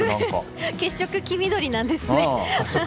血色、黄緑なんですね。